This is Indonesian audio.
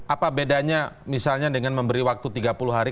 apa bedanya misalnya dengan memberi waktu tiga puluh hari